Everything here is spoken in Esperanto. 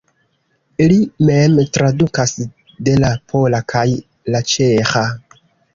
Li mem tradukas de la pola kaj la ĉeĥa.